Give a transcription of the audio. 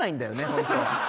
本当は。